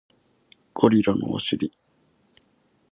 ゴリラのお尻